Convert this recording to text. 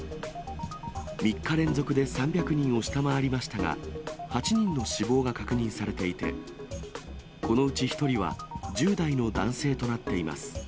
３日連続で３００人を下回りましたが、８人の死亡が確認されていて、このうち１人は１０代の男性となっています。